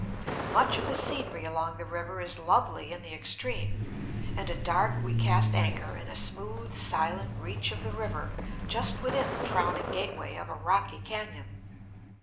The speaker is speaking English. Much of the scenery along the river is lovely in the extreme, and at dark we cast anchor in a smooth, silent reach of the river just within the frowning gateway of a rocky canon.